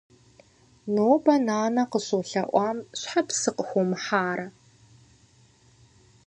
Нобэ нанэ къыщолъэӀуам щхьэ псы къыхуумыхьарэ?